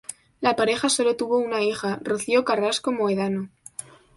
La pareja solo tuvo una hija, Rocío Carrasco Mohedano.